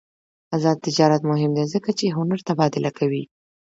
آزاد تجارت مهم دی ځکه چې هنر تبادله کوي.